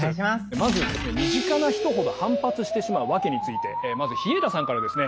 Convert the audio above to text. まず身近な人ほど反発してしまうワケについてまず日永田さんからですね